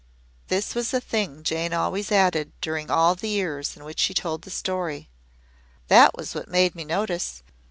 This was a thing Jane always added during all the years in which she told the story. "That was what made me notice.